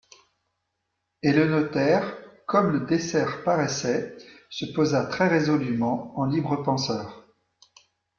Et le notaire, comme le dessert paraissait, se posa très résolument en libre penseur.